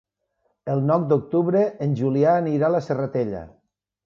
El nou d'octubre en Julià anirà a la Serratella.